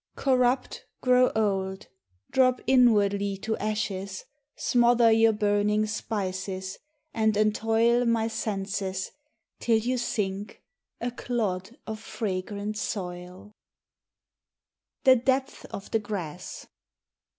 Corrupt, grow old, Drop inwardly to ashes, smother Your burning spices, and entoil My senses till you sink a clod of fragrant soil 1 THE DEPTHS OF THE GRASS.